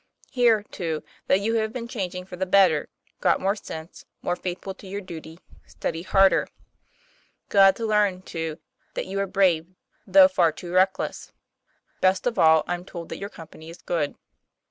Hear, too, that you have been changing for the better got more sense more faithful to your duty study harder. Glad to learn, too, that you are brave, tho* far too reckless. Best of all, I'm told that your company is good.